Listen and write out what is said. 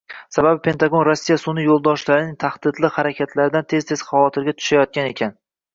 Sababi Pentagon Rossiya sunʼiy yoʻldoshlarining “tahdidli“ harakatlaridan tez-tez xavotirga tushayotgan ekan.